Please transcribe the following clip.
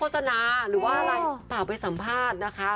ต่อไปสัมภาษณ์นะคะ